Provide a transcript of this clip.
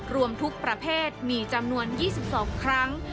รวมทุกประเภทมีจำนวน๒๒ครั้ง